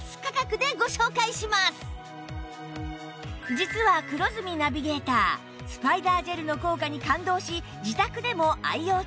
実は黒住ナビゲータースパイダージェルの効果に感動し自宅でも愛用中